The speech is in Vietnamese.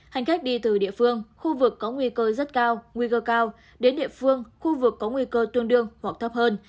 hành khách đi từ địa phương khu vực có nguy cơ rất cao nguy cơ cao đến địa phương khu vực có nguy cơ tương đương hoặc thấp hơn